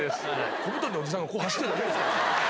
小太りのおじさんが、こう走ってるだけですからね。